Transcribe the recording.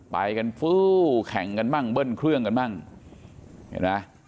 ไปกันฟู้แข่งกันมั่งเบิ้ลเครื่องกันบ้างเห็นไหม